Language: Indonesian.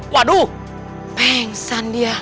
waduh pengsan dia